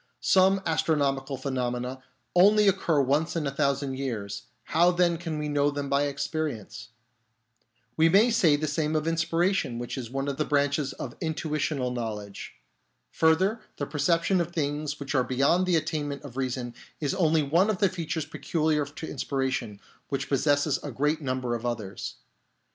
Some astronomical pheno mena only occur once in a thousand years ; how then can we know them by experience ? We may say the same of inspiration, which is one of the branches of intuitional knowledge. Further, the perception of things which are be yond the attainment of reason is only one of the features peculiar to inspiration, which possesses a great number of others.